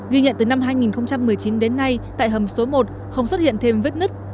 ghi nhận từ năm hai nghìn một mươi chín đến nay tại hầm số một không xuất hiện thêm vết nứt